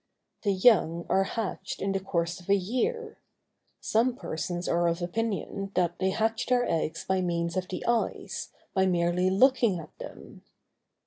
The young are hatched in the course of a year. Some persons are of opinion that they hatch their eggs by means of the eyes, by merely looking at them.